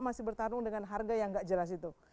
masih bertarung dengan harga yang tidak jelas itu